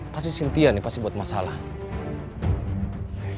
pasti sintian nih pasti buat masalah